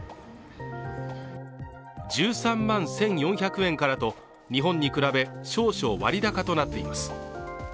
１３万１４００円からと日本に比べ少々割高となっています